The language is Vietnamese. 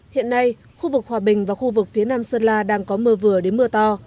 hiện nay khu vực hòa bình và khu vực phía nam sơn la đang có mưa vừa đến mưa to